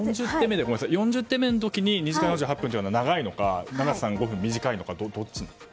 ４０手目の時に２時間４８分というのは長いのか、永瀬王座の５分が短いのかどっちですか。